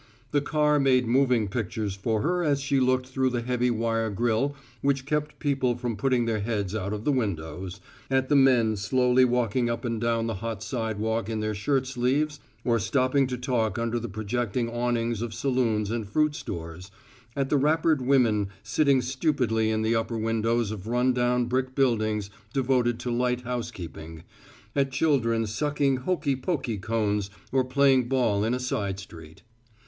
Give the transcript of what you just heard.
The car made moving pictures for her as she looked through the heavy wire grill which kept people from putting their heads out of the windows, at the men slowly walking up and down the hot sidewalk in their shirt sleeves or stopping to talk under the projecting awnings of saloons and fruit stores, at the wrappered women sitting stupidly in the upper windows of run down brick buildings devoted to light housekeeping, at children sucking hokey pokey cones or playing ball in a side street.